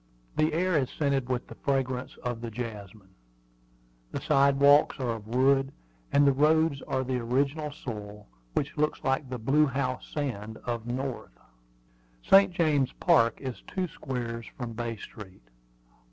The air is scented with the fragrance of the jasmine. The sidewalks are of wood, and the roads are the original soil, which looks like the blue house sand of the North. St. James Park is two squares from Bay Street.